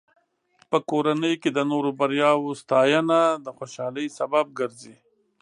په کورنۍ کې د نورو بریاوو ستاینه د خوشحالۍ سبب ګرځي.